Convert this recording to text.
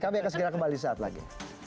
kami akan segera kembali saat lagi